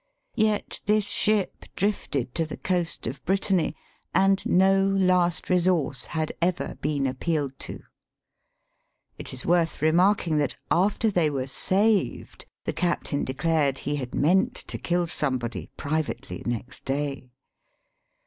Yet, this ship drifted to the coast of Brittany, and no " last resource " had ever been appealed to. It is worth remarking that, after they were saved, the captaiu declared he had meant to kill somebody, privately, next day.